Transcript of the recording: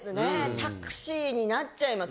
タクシーになっちゃいます。